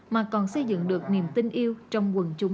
mà còn xây dựng được niềm vui năng lượng năng lượng năng lượng